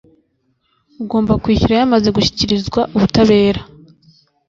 ugomba kwishyura yamaze gushyikirizwa ubutabera